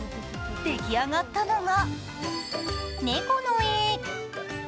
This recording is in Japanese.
出来上がったのが、猫の絵。